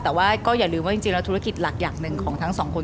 แต่ว่าก็อย่าลืมว่าจริงแล้วธุรกิจหลักอย่างหนึ่งของทั้งสองคน